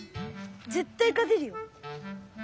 ぜったいかてるよ！